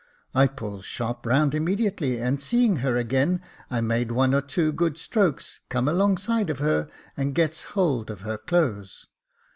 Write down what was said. I pulls sharp round immediately, and seeing her again, I made one or two good strokes, comes alongside of her, and gets hold of her clothes.